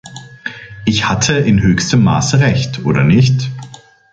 Ich hatte in höchstem Maße Recht, oder nicht?